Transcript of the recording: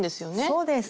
そうです。